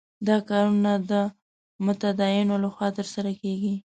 دا کارونه د متدینو له خوا ترسره کېږي.